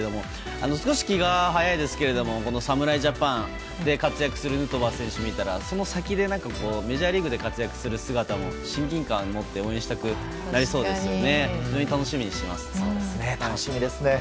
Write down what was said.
少し気が早いですが侍ジャパンで活躍するヌートバー選手を見たらその先、何かメジャーリーグで活躍する姿も親近感を持って応援したくなりそうですよね。